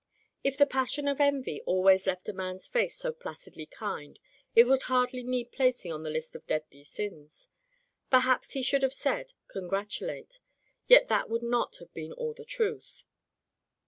If the passion of envy always left a man's face so placidly kind, it would hardly need placing on the list of deadly sins. Perhaps he should have said "congratulate," yet that would not have been all the truth.